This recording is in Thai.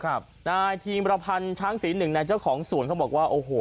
ครับนายทีมรพันธ์ช้างศรีหนึ่งในเจ้าของศูนย์เขาบอกว่าโอ้โห